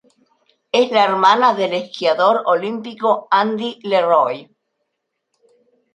Es la hermana del esquiador olímpico, Andy LeRoy.